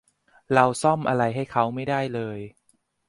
เราซ่อมอะไรให้เค้าไม่ได้เลย